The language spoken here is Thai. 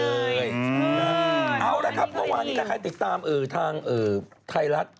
เอาอย่างนี้ครับเค้าไปดินเอาละครับว่านี้ถ้าใครติดตามทางไทยรัฐ